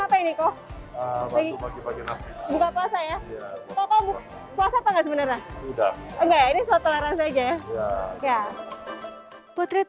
masalahnya buka puasa ya tolong puasa pengajaran udah enggak ini soal toleransi aja ya potret